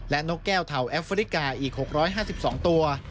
และนกแก้วแอฟริกาอีก๖๕๒ตัว